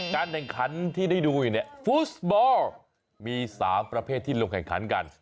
การแข่งขันที่ได้ดูอยู่เนี่ยฟุตบอลมี๓ประเภทที่ลงแข่งขันกัน